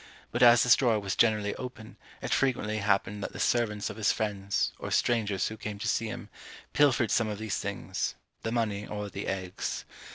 But as this drawer was generally open, it frequently happened that the servants of his friends, or strangers who came to see him, pilfered some of these things; the money or the eggs.